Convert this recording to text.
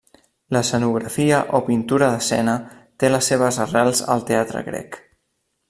L'escenografia o pintura d'escena té les seves arrels al teatre grec.